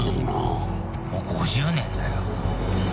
もう５０年だよ。